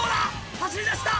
走りだした！